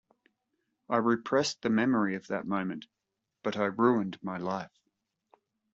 I repressed the memory of that moment, but I ruined my life.